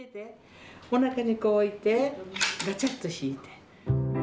おなかにこう置いて、ガチャっと引いて。